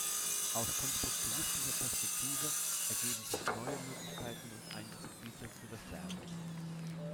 Aus konstruktivistischer Perspektive ergeben sich neue Möglichkeiten und Einsatzgebiete für das Lernen.